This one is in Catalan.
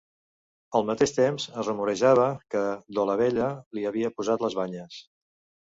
Al mateix temps es rumorejava que Dolabella li havia posat les banyes.